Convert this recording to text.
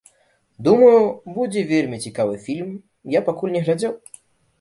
Думаю, будзе вельмі цікавы фільм, я пакуль не глядзеў.